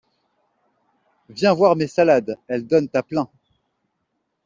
Viens voir mes salades, elles donnent à plein.